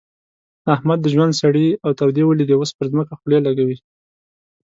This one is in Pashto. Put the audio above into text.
احمد د ژوند سړې او تودې وليدې؛ اوس پر ځمکه خولې لګوي.